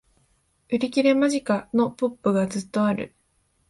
売り切れ間近！のポップがずっとある